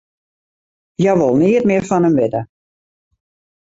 Hja wol neat mear fan him witte.